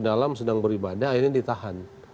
dalam sedang beribadah akhirnya ditahan